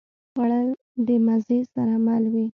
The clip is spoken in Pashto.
خوړل د مزې سره مل وي